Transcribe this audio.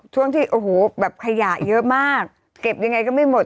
ช่วงที่โอ้โหแบบขยะเยอะมากเก็บยังไงก็ไม่หมด